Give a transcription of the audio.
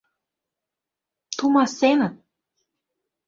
Тумасеныт!